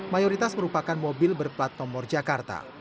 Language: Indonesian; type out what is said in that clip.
mayoritas merupakan mobil berplat nomor jakarta